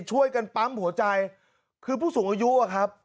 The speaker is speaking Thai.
ช่วยกันปั๊มหัวใจคือผู้สูงอายุอะครับ